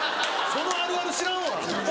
そのあるある知らんわ。